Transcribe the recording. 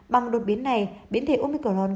bằng đột biến này biến thể omicron